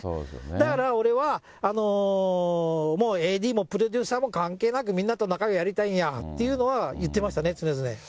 だから俺はもうＡＤもプロデューサーも関係なく、みんなと仲よくやりたいんやっていうのは言ってましたね、常々。